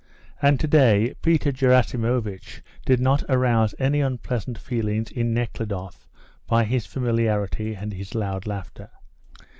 And to day Peter Gerasimovitch did not arouse any unpleasant feelings in Nekhludoff by his familiarity and his loud laughter.